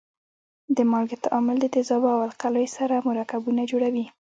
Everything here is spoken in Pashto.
د مالګې تعامل د تیزابو او القلیو سره مرکبونه جوړوي.